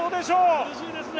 苦しいですね